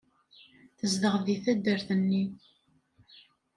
Tezdeɣ deg taddart-nni.